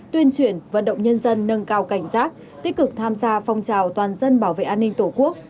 tuyên truyền vận động nhân dân nâng cao cảnh giác tích cực tham gia phong trào toàn dân bảo vệ an ninh tổ quốc